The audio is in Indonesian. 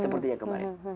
seperti yang kemarin